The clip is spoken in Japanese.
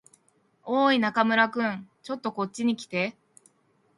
おーい、中村君。ちょっとこっちに来て。